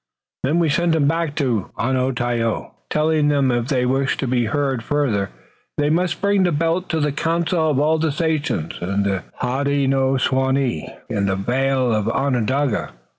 Then we sent them back to Onontio, telling them if they wished to be heard further they must bring the belt to the council of all the sachems of the Hodenosaunee in the vale of Onondaga."